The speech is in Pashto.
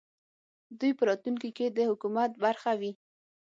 دوی په راتلونکې کې د حکومت برخه وي